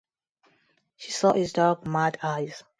She saw his dark, mad eyes.